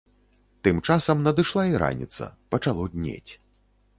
Тым часам надышла і раніца, пачало днець.